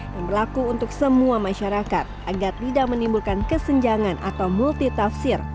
yang berlaku untuk semua masyarakat agar tidak menimbulkan kesenjangan atau multitafsir